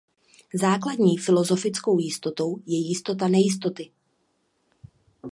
Základní filozofickou jistotou je jistota nejistoty.